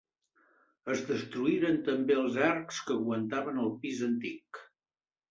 Es destruïren també els arcs que aguantaven el pis antic.